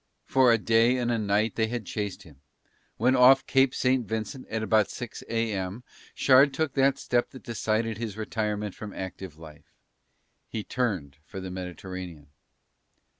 For a day and a night they had chased him, when off Cape St. Vincent at about six a.m. Shard took that step that decided his retirement from active life, he turned for the Mediterranean.